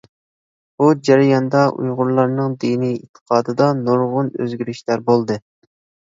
بۇ جەرياندا ئۇيغۇرلارنىڭ دىنىي ئېتىقادىدا نۇرغۇن ئۆزگىرىشلەر بولدى.